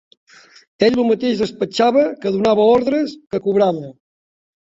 Ell lo mateix despatxava que donava ordres, que cobrava